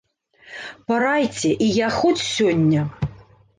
Парайце, і я хоць сёння!